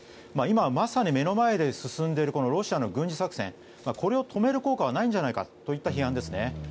今、まさに目の前で進んでいるロシアの軍事作戦これを止める効果はないんじゃないかといった批判ですね。